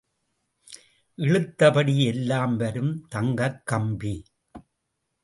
இழுத்தபடி எல்லாம் வரும் தங்கக் கம்பி.